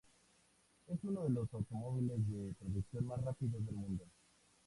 Es uno de los automóviles de producción más rápidos del mundo.